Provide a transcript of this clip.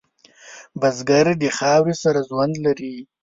بزګر د خاورې سره ژوند لري